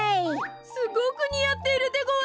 すごくにあっているでごわす。